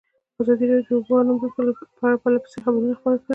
ازادي راډیو د د اوبو منابع په اړه پرله پسې خبرونه خپاره کړي.